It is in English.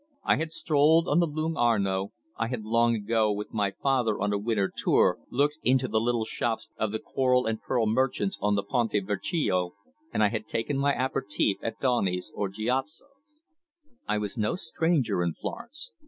I had strolled on the Lung Arno, I had long ago with my father on a winter tour looked into the little shops of the coral and pearl merchants on the Ponte Vecchio, and I had taken my apératif at Doney's or at Giacosa's. I was no stranger in Florence.